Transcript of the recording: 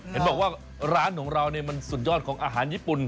เห็นบอกว่าร้านของเรามันสุดยอดของอาหารญี่ปุ่น